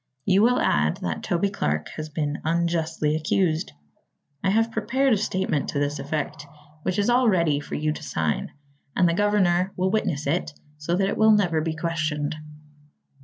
You will add that Toby Clark has been unjustly accused. I have prepared a statement to this effect which is all ready for you to sign, and the governor will witness it, so that it will never be questioned."